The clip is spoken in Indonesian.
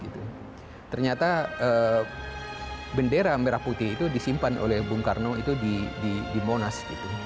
ternyata bendera merah putih itu disimpan oleh bung karno itu di monas